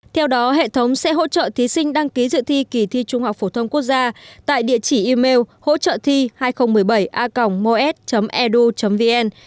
theo đó hệ thống sẽ hỗ trợ thí sinh đăng ký dự thi kỳ thi trung học phổ thông quốc gia tại địa chỉ email hỗ trợ thi hai nghìn một mươi bảy a gmos edu vn